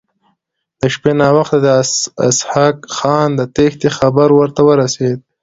د شپې ناوخته د اسحق خان د تېښتې خبر ورته ورسېد.